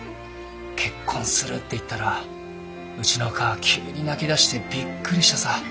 結婚するって言ったらうちのおかあ急に泣きだしてびっくりしたさ。